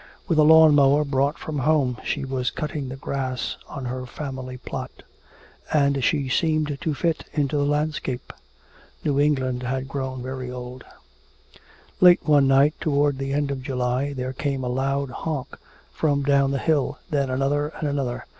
With a lawn mower brought from home she was cutting the grass on her family lot. And she seemed to fit into the landscape. New England had grown very old. Late one night toward the end of July, there came a loud honk from down the hill, then another and another.